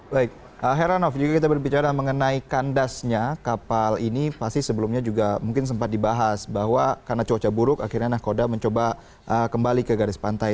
baik heranov juga kita berbicara mengenai kandasnya kapal ini pasti sebelumnya juga mungkin sempat dibahas bahwa karena cuaca buruk akhirnya nakoda mencoba kembali ke garis pantai